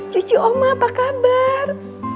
cucu oma apa kabar